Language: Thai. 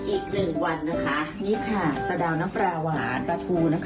อีกหนึ่งวันนะคะนี่ค่ะสะดาวน้ำปลาหวานปลาทูนะคะ